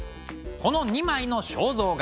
この２枚の肖像画